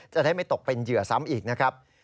จะได้ไม่ตกเป็นเหยื่อซ้ำอีกนะครับ